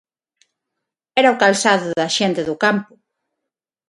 Era o calzado da xente do campo.